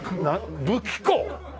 武器庫！？